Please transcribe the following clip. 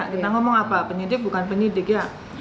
kita ngomong apa penyidik bukan penyidik ya